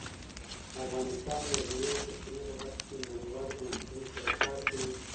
افغانستان د ژورې سرچینې په برخه کې نړیوالو بنسټونو سره کار کوي.